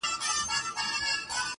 چي په هر يوه هنر کي را ايسار دی